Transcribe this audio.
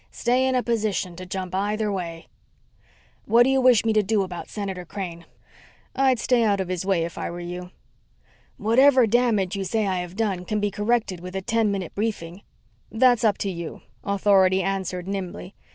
Stay in a position to jump either way._ "What do you wish me to do about Senator Crane?" "I'd stay out of his way if I were you." "Whatever damage you say I have done can be corrected with a ten minute briefing." "That's up to you," Authority answered nimbly.